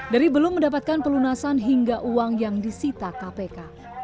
dari belum mendapatkan pelunasan hingga uang yang disita kpk